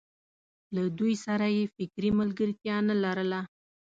له دوی سره یې فکري ملګرتیا نه لرله.